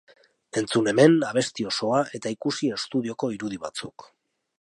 Entzun hemen abesti osoa eta ikusi estudioko irudi batzuk.